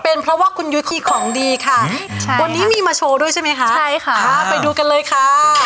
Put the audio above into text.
เป็นเพราะว่าคุณยุ้ยมีของดีค่ะวันนี้มีมาโชว์ด้วยใช่ไหมคะใช่ค่ะพาไปดูกันเลยค่ะ